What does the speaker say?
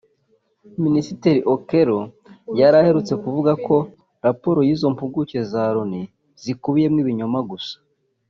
Minisitiri Okello yari aherutse kuvuga ko raporo y’izo mpuguke za Loni zikubiyemo ibinyoma gusa